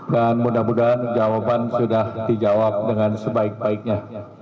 dan mudah mudahan jawaban sudah dijawab dengan sebaik baiknya